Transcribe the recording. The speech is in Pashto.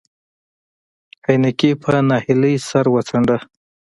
عينکي په نهيلۍ سر وڅنډه.